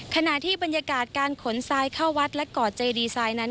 ขณะที่บรรยากาศการขนทรายเข้าวัดและก่อเจดีไซน์นั้น